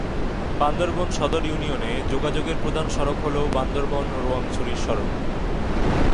বান্দরবান সদর ইউনিয়নে যোগাযোগের প্রধান সড়ক হল বান্দরবান-রোয়াংছড়ি সড়ক।